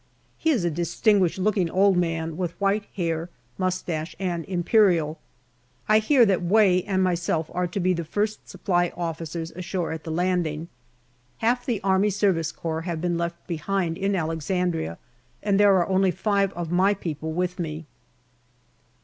He is a dis tinguished looking old man with white hair, moustache, and imperial. I hear that Way and myself are to be the first Supply Officers ashore at the landing. Half the A.S.C. have been left behind in Alexandria, and there are only five of my people with me.